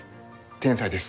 天才です。